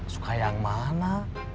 suka yang mana